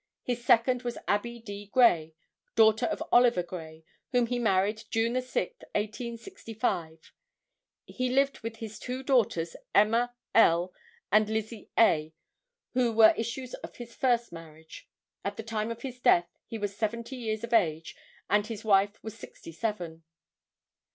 His second was Abbie D. Gray, daughter of Oliver Gray, whom he married on June 6, 1865. He lived with his two daughters Emma L. and Lizzie A., who were issues of his first marriage. At the time of his death he was seventy years of age and his wife was sixty seven. [Illustration: MRS. ABBIE D. BORDEN.